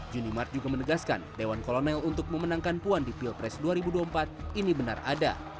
juni mart juga menegaskan dewan kolonel untuk memenangkan puan di pilpres dua ribu dua puluh empat ini benar ada